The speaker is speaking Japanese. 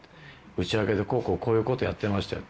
「打ち上げでこうこうこういう事やってましたよ」